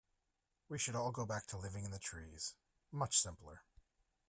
We should all go back to living in the trees, much simpler.